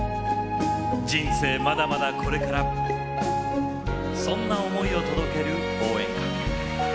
人生まだまだこれからそんな思いを届ける応援歌。